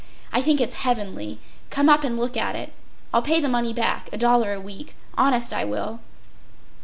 I think it’s heavenly. Come up and look at it. I’ll pay the money back, a dollar a week—honest I will.